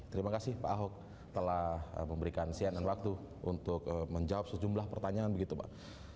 terima kasih pak ahok telah memberikan cnn waktu untuk menjawab sejumlah pertanyaan begitu pak